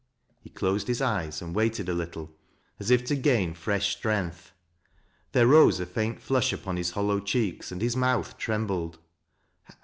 He closed his eyes and waited a little as if to gain freal strength. There rose a faint flush upon his hollow cheekB and his mouth trembled.